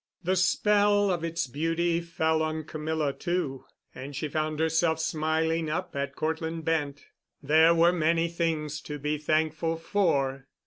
The spell of its beauty fell on Camilla, too, and she found herself smiling up at Cortland Bent. There were many things to be thankful for.